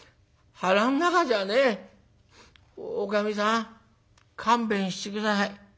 『おかみさん勘弁して下さい。